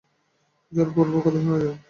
যার পরপর কথা শোনা যায়?